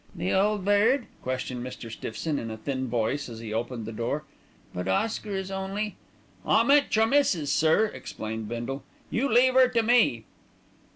"The Old Bird?" questioned Mr. Stiffson in a thin voice as he opened the door; "but Oscar is only " "I mean your missis, sir," explained Bindle. "You leave 'er to me."